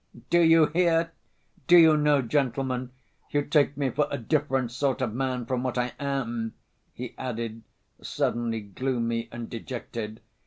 Do you hear? Do you know, gentlemen, you take me for a different sort of man from what I am," he added, suddenly gloomy and dejected.